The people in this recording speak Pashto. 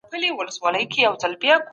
که انسان ازاد وي نو غبرګون بېلابېل وي.